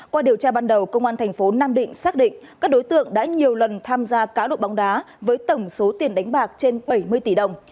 qua điều tra ban đầu công an thành phố nam định xác định các đối tượng đã nhiều lần tham gia cá độ bóng đá với tổng số tiền đánh bạc trên bảy mươi tỷ đồng